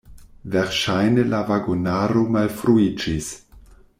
Verŝajne la vagonaro malfruiĝis.